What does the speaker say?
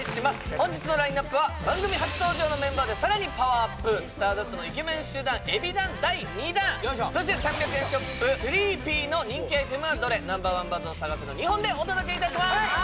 本日のラインナップは番組初登場のメンバーでさらにパワーアップスターダストのイケメン集団ＥＢｉＤＡＮ第２弾そして３００円ショップＴＨＲＥＥＰＰＹの人気アイテムはどれＮｏ．１バズを探せの２本でお届けいたします！